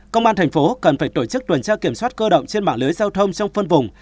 công an thành phố cần phải tổ chức tuần tra kiểm soát cơ động trên mạng lưới giao thông trong phân vùng